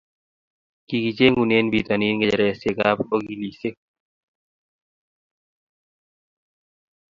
kikicheng'unen bitonin ng'echeresiekab okilisiek